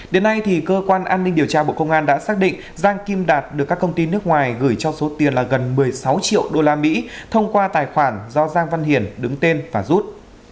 đến nay cơ quan an ninh điều tra bộ công an đã xác định giang kim đạt được các công ty nước ngoài gửi cho số tiền là gần một mươi sáu triệu usd thông qua tài khoản do giang văn hiển đứng tên và rút